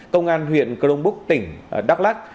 công an huyện cờ đông búc tỉnh đắk lắc